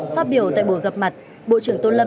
phát biểu tại buổi gặp mặt